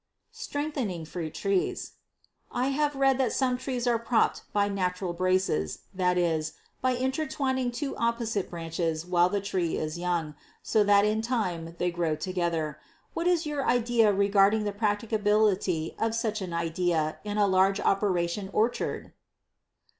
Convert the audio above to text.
Strengthening Fruit Trees. I have read that some trees are propped by natural braces; that is, by inter twining two opposite branches while the tree is young, so that in time they grow together. What is your idea regarding the practicability of such an idea in a large commercial orchard?